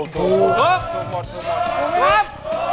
ถูกหมดถูกหมด